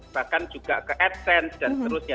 bahkan juga ke adsense dan seterusnya